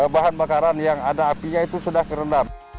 bahan bakaran yang ada apinya itu sudah terendam